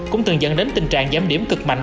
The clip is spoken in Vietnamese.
cũng từng dẫn đến tình trạng giảm điểm cực mạnh